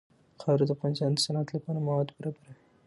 خاوره د افغانستان د صنعت لپاره مواد برابروي.